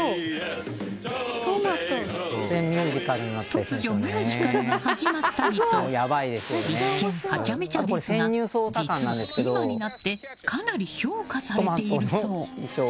突如、ミュージカルが始まったりと一見ハチャメチャですが実は、今になってかなり評価されているそう。